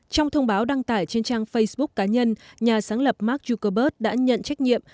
trong thông báo đăng tải trên trang facebook cá nhân nhà sáng lập mark zuckerberg đã nhận trách nhiệm